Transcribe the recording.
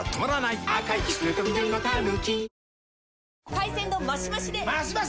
海鮮丼マシマシで！